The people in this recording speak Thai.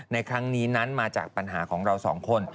ในครั้งนี้นั้นมาจากปัญหาของเราสองคน